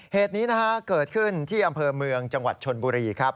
เหตุนี้นะฮะเกิดขึ้นที่อำเภอเมืองจังหวัดชนบุรีครับ